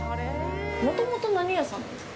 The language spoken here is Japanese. もともと何屋さんですか？